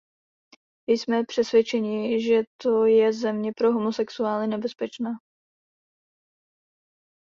Jsme přesvědčeni, že to je země pro homosexuály nebezpečná.